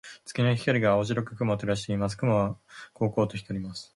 月の光が青白く雲を照らしています。雲はこうこうと光ります。